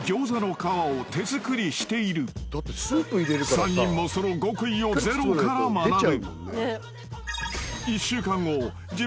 ［３人もその極意をゼロから学ぶ］